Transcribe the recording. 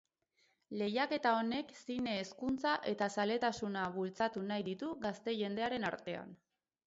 Lehiaketa honek zine hezkuntza eta zaletasuna bultzatu nahi ditu gazte jendearen artean.